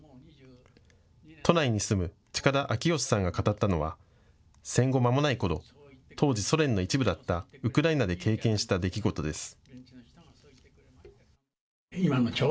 都内に住む近田明良さんが語ったのは戦後まもないころ当時、ソ連の一部だったウクライナで経験した出来事です。